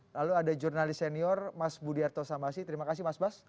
lalu ada jurnalis senior mas budiarto samasi terima kasih mas bas